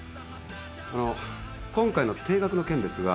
あの今回の停学の件ですが。